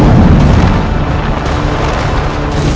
untuk berjaga jaga disana